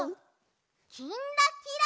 「きんらきら」。